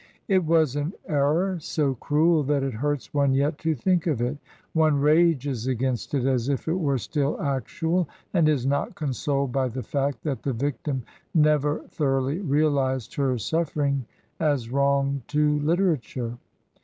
It was an error so cruel that it hurts one yet to think of it ; one rages against it as if it were still actual, and is not consoled by the fact that the victim never thoroughly realized her suffering as wrong ip Uterature.